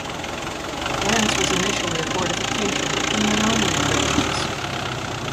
Lens was initially a fortification from the Norman invasions.